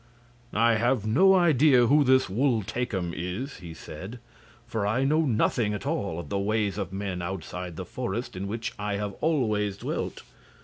"I have no idea who this Wul Takim is," he said, "for I know nothing at all of the ways of men outside the forest in which I have always dwelt.